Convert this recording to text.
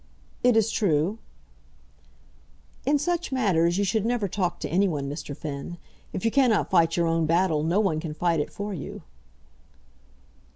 "It is true." "In such matters you should never talk to any one, Mr. Finn. If you cannot fight your own battle, no one can fight it for you."